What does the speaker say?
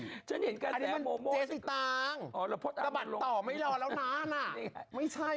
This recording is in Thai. ไม่ใช่อันนี้มันเจสสีตางก์ระบัดต่อไม่รอนแล้วนานน่ะ